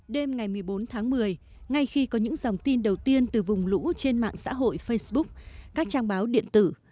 đêm ngày một mươi bốn tháng một mươi ngay khi có những dòng tin đầu tiên từ vùng lũ trên mạng xã hội facebook các trang báo điện tử